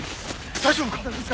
大丈夫か！